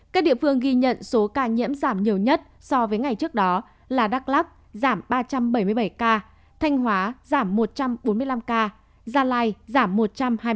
các địa phương ghi nhận số ca nhiễm giảm nhiều nhất so với ngày trước đó là đắk lắc giảm ba trăm bảy mươi bảy ca thanh hóa giảm một trăm bốn mươi năm ca gia lai giảm một trăm hai mươi ca